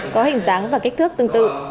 có hình dáng và kích thước tương tự